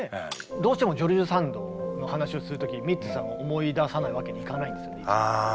どうしてもジョルジュ・サンドの話をする時にミッツさんを思い出さないわけにはいかないんですよね。